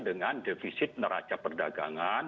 dengan defisit neraca perdagangan